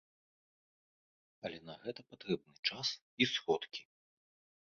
Але на гэта патрэбны час і сродкі.